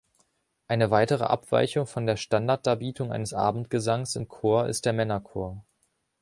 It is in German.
Eine weitere Abweichung von der Standarddarbietung eines Abendgesangs im Chor ist der Männerchor.